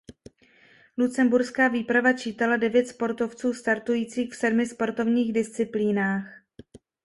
Lucemburská výprava čítala devět sportovců startujících v sedmi sportovních disciplínách.